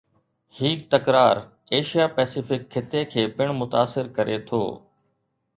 هي تڪرار ايشيا-پئسفڪ خطي کي پڻ متاثر ڪري ٿو